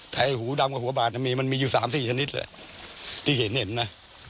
แต่หูดำกับหัวบาดมันมีอยู่สามสี่ชนิดแหละที่เห็นนะ